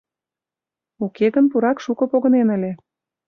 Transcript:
Уке гын пурак шуко погынен ыле.